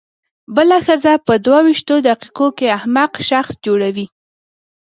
بله ښځه په دوه وېشتو دقیقو کې احمق شخص جوړوي.